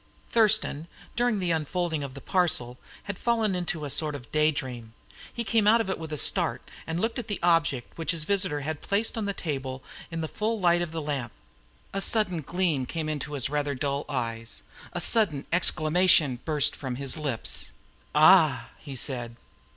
Thurston, during the unfolding of the parcel, had fallen into a sort of day dream. He came out of it with a start, and looked at the object which his visitor had placed on the table in the full light of the lamp. A sudden gleam came into his rather dull eyes; a sudden exclamation burst from his lips. "Ah!" he said.